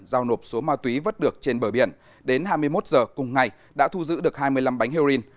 giao nộp số ma túy vất được trên bờ biển đến hai mươi một giờ cùng ngày đã thu giữ được hai mươi năm bánh heroin